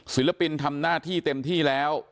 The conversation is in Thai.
ศิลปินทำหน้าที่เต็มที่แล้ว